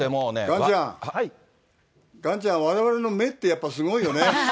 岩ちゃん、岩ちゃん、われわれの目ってやっぱすごいよね。